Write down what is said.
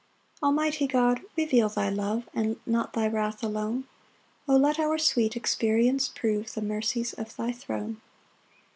] 6 Almighty God, reveal thy love, And not thy wrath alone; O let our sweet experience prove The mercies of thy throne!